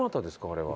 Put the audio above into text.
あれは。